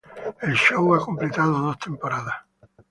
El show ha completado dos temporadas.